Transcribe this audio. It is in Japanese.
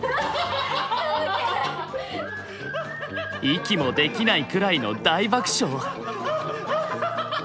息もできないくらいの大爆笑。